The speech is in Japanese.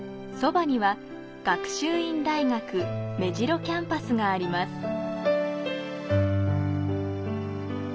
そばには学習院大学目白キャンパスがあります。